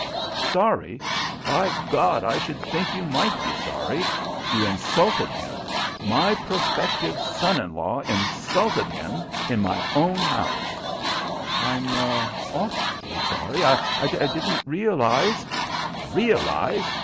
"Sorry! By God, I should think you might be sorry! You insulted him. My prospective son in law insulted him in my own house!" "I'm awfully sorry. I didn't realize " "Realize!